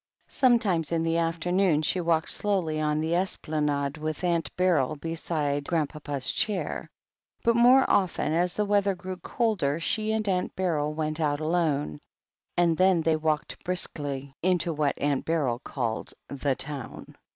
Sometimes in the afternoon she walked slowly on the Esplanade with Aimt Beryl beside Grand papa's chair, but more often, as the weather grew colder, she and Aunt Beryl went out alone, and then they walked briskly into what Aunt Beryl called "the town."